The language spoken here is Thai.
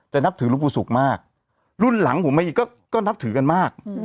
นับถือหลวงปู่ศุกร์มากรุ่นหลังผมเองก็นับถือกันมาก